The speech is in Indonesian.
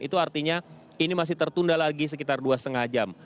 itu artinya ini masih tertunda lagi sekitar dua lima jam